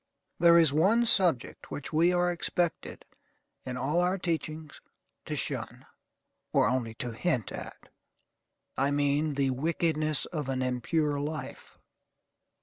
There is one subject which we are expected, in all our teachings, to shun, or only to hint at: I mean the wickedness of an impure life.